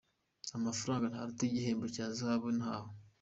Amafaranga ntaruta igihembo cya Zahabu nahawe.